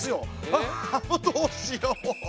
あもうどうしよう。